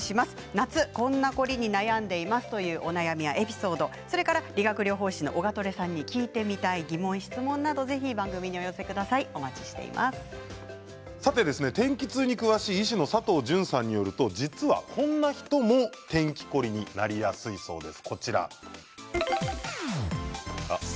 夏、こんな凝りに悩んでいますというお悩みやエピソード、理学療法士のオガトレさんに聞いてみたい質問などを天気痛に詳しい医師の佐藤純さんによると実はこんな人も天気凝りになりやすいそうです。